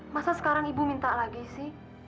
masa sekarang ibu minta lagi sih